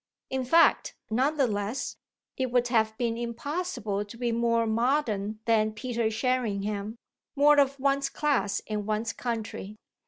In fact, none the less, it would have been impossible to be more modern than Peter Sherringham more of one's class and one's country.